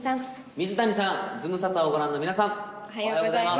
水谷さん、ズムサタをご覧の皆さん、おはようございます。